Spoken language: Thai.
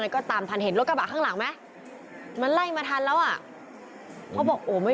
ก็ตามทันเผรรถกระบะข้างหลังมั้ยมันไหล่มาถันเราอ่ะเขาบอกไม่